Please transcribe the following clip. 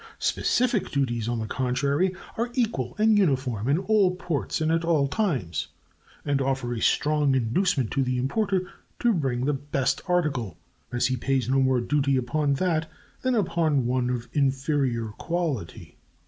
Specific duties, on the contrary, are equal and uniform in all ports and at all times, and offer a strong inducement to the importer to bring the best article, as he pays no more duty upon that than upon one of inferior quality.